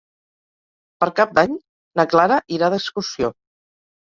Per Cap d'Any na Clara irà d'excursió.